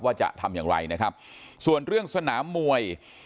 ว่าจะทำอย่างไรนะครับส่วนเรื่องสนามมวย